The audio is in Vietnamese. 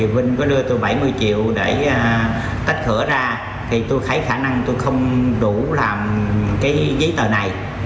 vinh có đưa tôi bảy mươi triệu để tách thủa ra tôi thấy khả năng tôi không đủ làm giấy tờ này